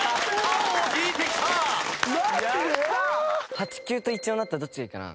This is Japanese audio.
８・９と１・４だったらどっちがいいかな？